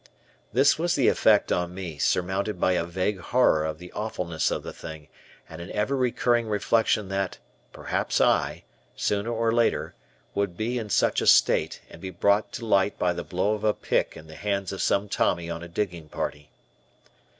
This was the effect on me, surmounted by a vague horror of the awfulness of the thing and an ever recurring reflection that, perhaps I, sooner or later, would be in such a state and be brought to light by the blow of a pick in the hands of some Tommy on a digging party.